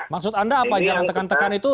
maksud anda apa jangan tekan tekan itu